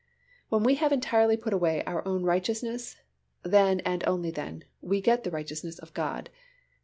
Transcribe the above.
When we have entirely put away our own righteousness, then and only then, we get the righteousness of God (Phil.